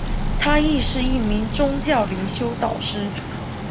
她亦是一名宗教灵修导师。